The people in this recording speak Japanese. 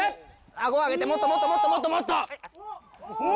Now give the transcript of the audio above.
あご上げてもっともっともっともっと！おお！